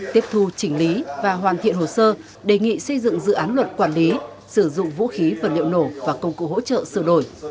tiếp thu chỉnh lý và hoàn thiện hồ sơ đề nghị xây dựng dự án luật quản lý sử dụng vũ khí vật liệu nổ và công cụ hỗ trợ sửa đổi